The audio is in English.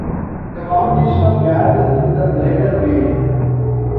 The combination of gases in the bladder varies.